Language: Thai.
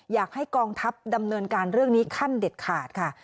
อยากให้กองทัพดำเนินการเรื่องนี้ขั้นเด็ดขาดค่ะ